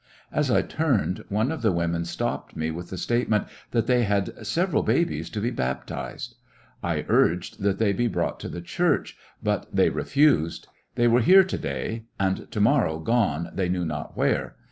As I turned, one of the women stopped me with the statement that they had several babies to be baptized. I urged that they be 19 KecoUections of a brought to the church, but they refused. They were here to day, and to morrow gone they knew not where.